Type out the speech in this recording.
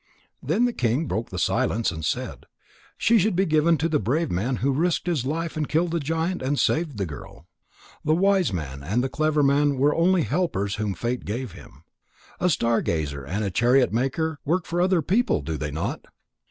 Then the king broke silence and said: "She should be given to the brave man, who risked his life and killed the giant and saved the girl. The wise man and the clever man were only helpers whom Fate gave him. A star gazer and a chariot maker work for other people, do they not?"